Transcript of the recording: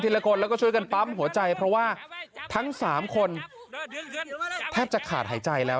ละคนแล้วก็ช่วยกันปั๊มหัวใจเพราะว่าทั้งสามคนแทบจะขาดหายใจแล้ว